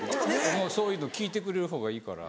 そういうの聞いてくれるほうがいいから。